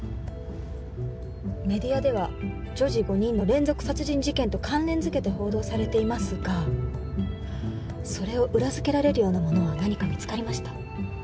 メディアでは女児５人の連続殺人事件と関連づけて報道されていますがそれを裏づけられるようなものは何か見つかりました？